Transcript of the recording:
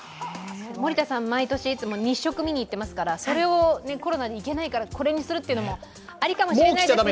森田さん、毎年いつも行ってますから、それをコロナで行けないからこれにするのもありかもしれないですね。